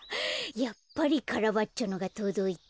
やっぱりカラバッチョのがとどいてた。